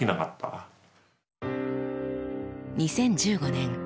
２０１５年。